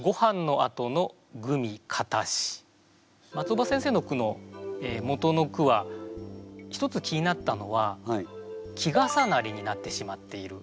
松尾葉先生の句の元の句は一つ気になったのは季重なりになってしまっている。